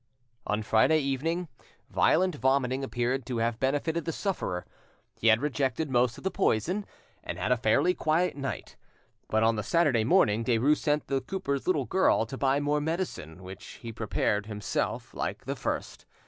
On Friday evening violent vomiting appeared to have benefited the sufferer. He had rejected most of the poison, and had a fairly quiet night. But on the Saturday morning Derues sent the cooper's little girl to buy more medicine, which he prepared, himself, like the first.